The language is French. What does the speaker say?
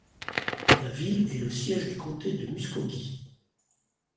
La ville est le siège du comté de Muscogee.